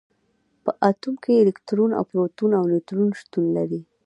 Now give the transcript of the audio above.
په اتوم کې الکترون او پروټون او نیوټرون شتون لري.